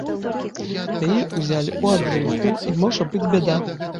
Яе ўзялі ў адліўку, і можа быць бяда.